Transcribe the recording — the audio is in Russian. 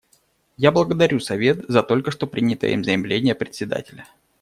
Я благодарю Совет за только что принятое им заявление Председателя.